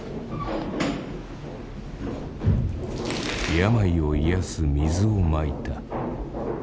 病を癒やす水をまいた。